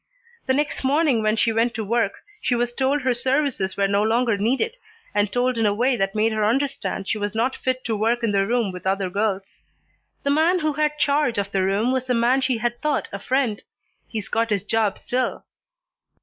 The next morning when she went to work she was told her services were no longer needed, and told in a way that made her understand she was not fit to work in the room with other girls. The man who had charge of the room was the man she had thought a friend. He's got his job still."